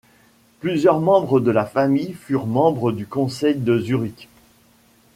Plusieurs membres de la famille furent membres du Conseil de Zurich.